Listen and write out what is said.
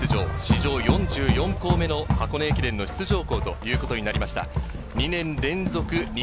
今年の箱根駅伝で初出場、史上４４校目の箱根駅伝の出場校ということになりました。